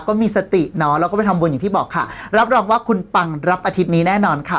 ก็มีสติเนาะแล้วก็ไปทำบุญอย่างที่บอกค่ะรับรองว่าคุณปังรับอาทิตย์นี้แน่นอนค่ะ